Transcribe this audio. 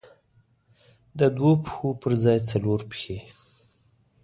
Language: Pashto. د دوو پښو پر ځای څلور پښې.